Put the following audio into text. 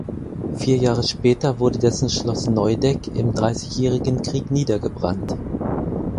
Vier Jahre später wurde dessen Schloss Neudeck im Dreißigjährigen Krieg niedergebrannt.